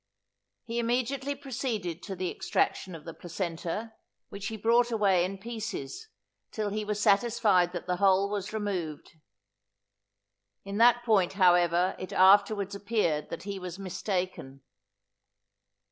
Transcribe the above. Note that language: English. He immediately proceeded to the extraction of the placenta, which he brought away in pieces, till he was satisfied that the whole was removed. In that point however it afterwards appeared that he was mistaken.